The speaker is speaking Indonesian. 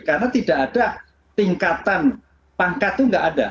karena tidak ada tingkatan pangkat itu tidak ada